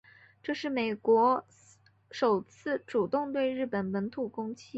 这是美国首次主动对日本本土攻击。